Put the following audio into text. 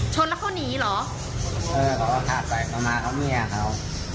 ชนแล้วเขาหนีเหรอเออเขาก็คาดไปเขามาเขาเมียเขา